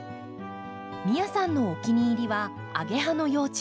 美耶さんのお気に入りはアゲハの幼虫。